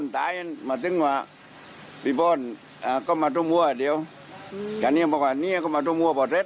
ตอนล่ะคิดยังไงมั้ง